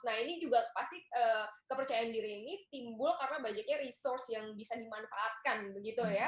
nah ini juga pasti kepercayaan diri ini timbul karena banyaknya resource yang bisa dimanfaatkan begitu ya